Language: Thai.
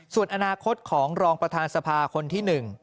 ส่วนอนาคตของรองประธานสภาคนที่๑